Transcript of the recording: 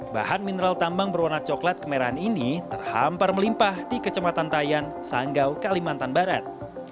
bahan mineral tambang berwarna coklat kemerahan ini terhampar melimpah di kecematan tayan sanggau kalimantan barat